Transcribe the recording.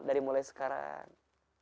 dari mulai sekarang